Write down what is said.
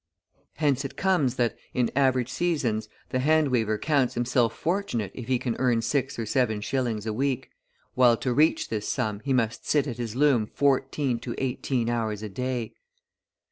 Hence it comes that, in average seasons, the hand weaver counts himself fortunate if he can earn six or seven shillings a week, while to reach this sum he must sit at his loom fourteen to eighteen hours a day.